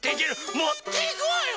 もっていくわよ！